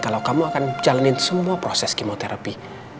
kalau kamu akan jalanin semua proses kemoterapi